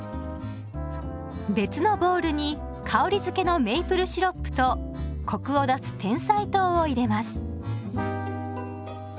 別のボウルに香りづけのメイプルシロップとコクを出すてんさい糖を入れます。